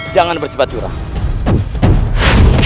jangan bercepat durah